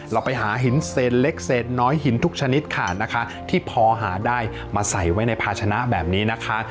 เราไปหาหินเซนเล็กเศษน้อยหินทุกชนิดค่ะนะคะที่พอหาได้มาใส่ไว้ในภาชนะแบบนี้นะคะ